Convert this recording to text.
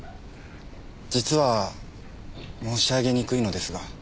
実は申し上げにくいのですが。